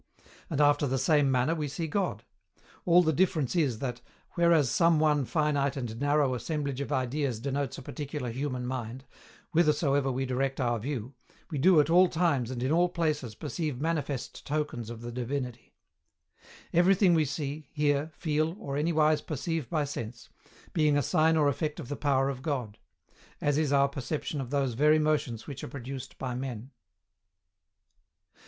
And after the same manner we see God; all the difference is that, whereas some one finite and narrow assemblage of ideas denotes a particular human mind, whithersoever we direct our view, we do at all times and in all places perceive manifest tokens of the Divinity: everything we see, hear, feel, or anywise perceive by sense, being a sign or effect of the power of God; as is our perception of those very motions which are produced by men.